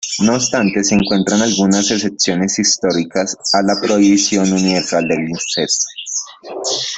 No obstante, se encuentran algunas excepciones históricas a la prohibición universal del incesto.